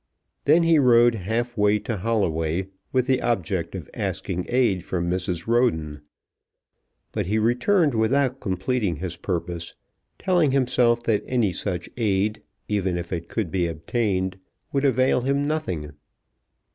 Then he rode half way to Holloway, with the object of asking aid from Mrs. Roden; but he returned without completing his purpose, telling himself that any such aid, even if it could be obtained, would avail him nothing.